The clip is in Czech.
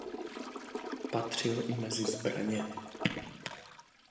Patřil i mezi zbraně.